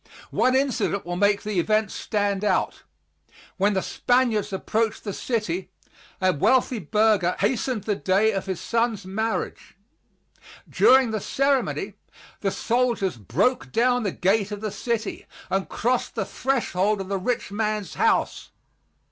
One incident will make the event stand out. When the Spaniards approached the city a wealthy burgher hastened the day of his son's marriage. During the ceremony the soldiers broke down the gate of the city and crossed the threshold of the rich man's house.